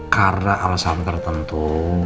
karena alasan tertentu